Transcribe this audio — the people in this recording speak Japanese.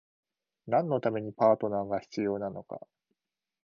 何のためにパートナーが必要なのか？